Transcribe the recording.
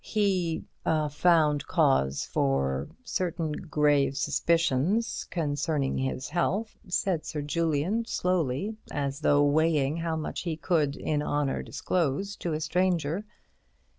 "He found cause for certain grave suspicions concerning his health," said Sir Julian, slowly, as though weighing how much he could in honour disclose to a stranger.